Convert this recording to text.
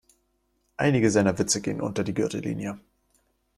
Einige seiner Witze gehen unter die Gürtellinie.